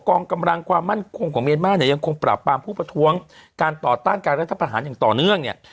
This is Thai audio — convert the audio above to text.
กองกำลังความมั่นคงของเมียนมาร์เนี่ยยังคงปราบปรามผู้ประท้วงการต่อต้านการรัฐประหารอย่างต่อเนื่องเนี่ย